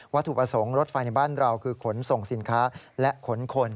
ถูกประสงค์รถไฟในบ้านเราคือขนส่งสินค้าและขนคน